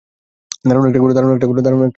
দারুণ একটা ঘোড়া।